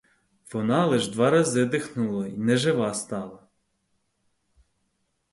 Вона лиш два рази дихнула й нежива стала.